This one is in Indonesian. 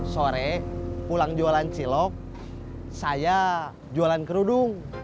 sore pulang jualan cilok saya jualan kerudung